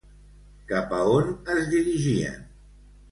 Cap a on es dirigien?